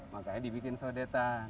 makanya dibikin saudetan